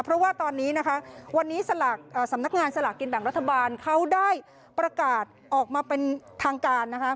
เพราะว่าตอนนี้นะคะวันนี้สำนักงานสลากกินแบ่งรัฐบาลเขาได้ประกาศออกมาเป็นทางการนะคะ